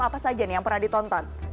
apa saja nih yang pernah ditonton